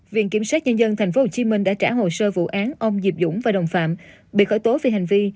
viện kiểm sát nhân dân tp hcm đã trả hồ sơ vụ án ông diệp dũng và đồng phạm bị khởi tố về hành vi